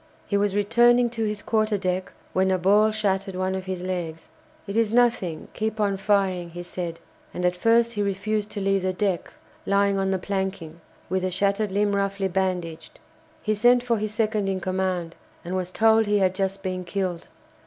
He was returning to his quarter deck, when a ball shattered one of his legs. "It is nothing keep on firing," he said, and at first he refused to leave the deck, lying on the planking, with the shattered limb roughly bandaged. He sent for his second in command, and was told he had just been killed.